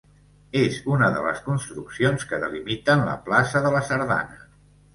És una de les construccions que delimiten la plaça de la Sardana.